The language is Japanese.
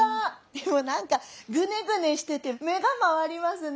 でも何かグネグネしてて目が回りますね。